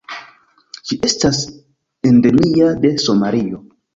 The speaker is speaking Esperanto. Ĝi estas endemia de Somalio.